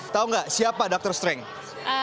tahu nggak siapa doctor strange